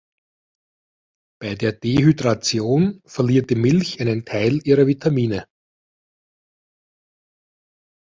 Bei der Dehydration verliert die Milch einen Teil ihrer Vitamine.